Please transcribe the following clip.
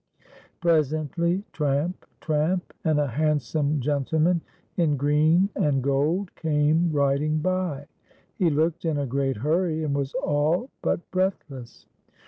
Presently tramp, tramp, and a handsome gentleman in green and gold came riding b\ . He looked in a great hurry, and was all but breathless.